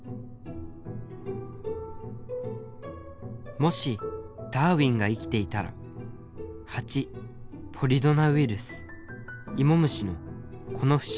「もしダーウィンが生きていたらハチポリドナウイルスイモムシのこの不思議な関係を何と言うだろうか」。